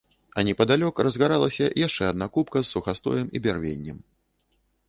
А непадалёк разгаралася яшчэ адна купка з сухастоем і бярвеннем.